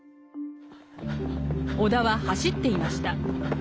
尾田は走っていました。